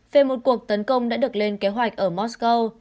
về một cuộc tấn công đã được lên kế hoạch ở moscow